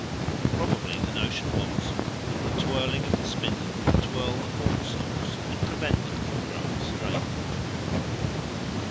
Probably the notion was that the twirling of the spindle would twirl the corn stalks and prevent them from growing straight.